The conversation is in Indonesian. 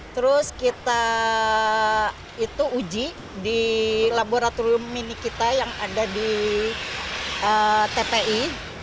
terus kita itu uji di laboratorium mini kita yang ada di tpi